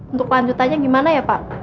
untuk lanjutannya gimana ya pak